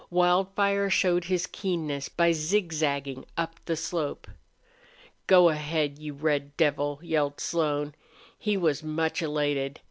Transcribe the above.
Wildfire showed his keenness by zigzagging up the slope. "Go ahead, you red devil!" yelled Slone. He was much elated.